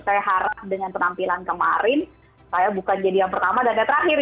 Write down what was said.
saya harap dengan penampilan kemarin saya bukan jadi yang pertama dan yang terakhir